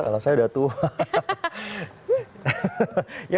salsa udah tua